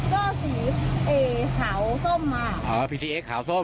ก็สีขาวส้มมาอ๋อพีทีเอสขาวส้ม